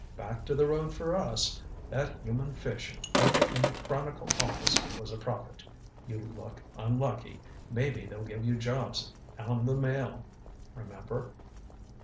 Back to the road for us. That human fish over in the Chronicle office was a prophet 'You look unlucky maybe they'll give you jobs on the Mail.' Remember."